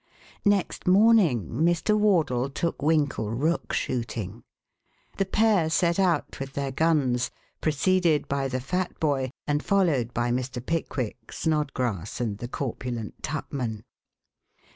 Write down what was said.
Next morning Mr. Wardle took Winkle rook shooting. The pair set out with their guns, preceded by the fat boy and followed by Mr. Pickwick, Snodgrass and the corpulent Tupman.